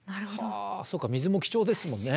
そっか水も貴重ですもんね。